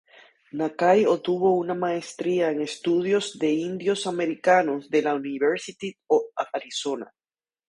Nakai obtuvo una maestría en Estudios de Indios Americanos de la University of Arizona.